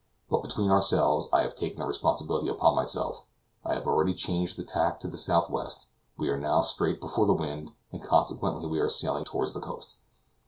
But, between ourselves, I have taken the responsibility upon myself; I have already changed the tack to the southwest; we are now straight before the wind, and consequently we are sailing toward the coast."